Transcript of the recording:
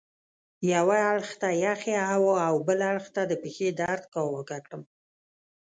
یوه اړخ ته یخې هوا او بل اړخ ته د پښې درد کاواکه کړم.